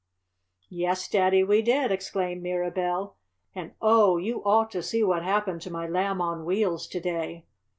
"Yes, Daddy, we did!" exclaimed Mirabell. "And, oh, you ought to see what happened to my Lamb on Wheels to day!"